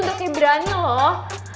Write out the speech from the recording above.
udah kayak berani loh